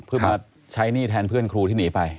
เพื่อมาใช้หนี้แทนเพื่อนครูที่หนีไป